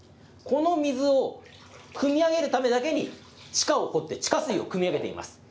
この水をくみ上げるためだけに、地下を掘って、地下水をくみ上げています。